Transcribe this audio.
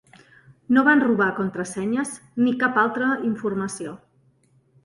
No van robar contrasenyes ni cap altra informació.